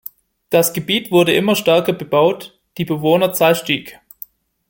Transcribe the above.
Das Gebiet wurde immer stärker bebaut, die Bewohnerzahl stieg.